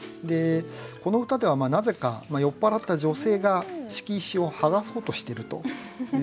この歌ではなぜか酔っ払った女性が敷石をはがそうとしてるという。